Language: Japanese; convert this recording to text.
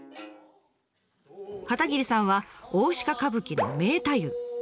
片桐さんは大鹿歌舞伎の名太夫。